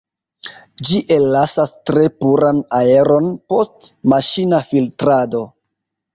Ĝi ellasas tre puran aeron, post maŝina filtrado.